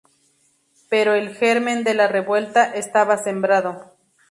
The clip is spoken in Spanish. Pero el germen de la revuelta estaba sembrado.